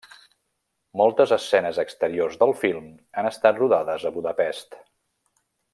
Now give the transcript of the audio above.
Moltes escenes exteriors del film han estat rodades a Budapest.